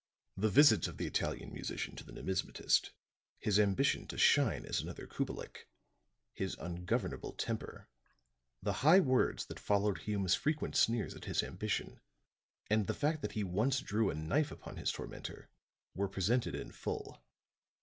The visits of the Italian musician to the numismatist, his ambition to shine as another Kubelik, his ungovernable temper, the high words that followed Hume's frequent sneers at his ambition and the fact that he once drew a knife upon his tormentor, were presented in full.